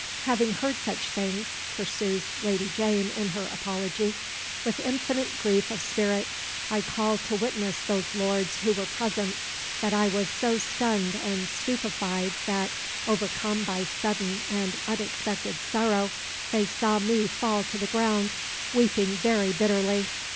"Having heard which things," pursues Lady Jane in her apology, "with infinite grief of spirit, I call to witness those lords who were present that I was so stunned and stupefied that, overcome by sudden and unexpected sorrow, they saw me fall to the ground, weeping very bitterly.